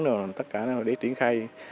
rồi tất cả để triển khai